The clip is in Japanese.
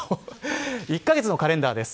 １カ月のカレンダーです。